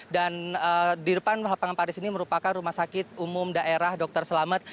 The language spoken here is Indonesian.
dan di depan lapangan paris ini merupakan rumah sakit umum daerah dokter selamat